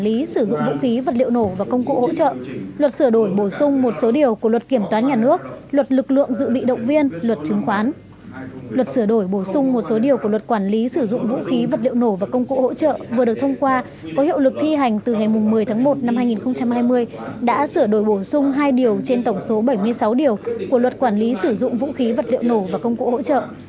luật sửa đổi bổ sung một số điều của luật quản lý sử dụng vũ khí vật liệu nổ và công cụ hỗ trợ vừa được thông qua có hiệu lực thi hành từ ngày một mươi tháng một năm hai nghìn hai mươi đã sửa đổi bổ sung hai điều trên tổng số bảy mươi sáu điều của luật quản lý sử dụng vũ khí vật liệu nổ và công cụ hỗ trợ